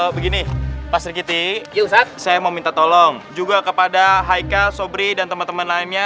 begini pak sirkiti ilhak saya mau minta tolong juga kepada haika sobri dan teman teman lainnya